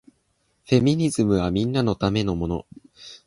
フェミニズムはみんなのためのもの